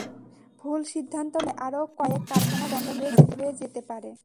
ভুল সিদ্ধান্ত নেওয়া হলে আরও অনেক কারখানা বন্ধ হয়ে যেতে পারে।